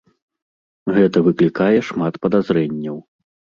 Гэта выклікае шмат падазрэнняў.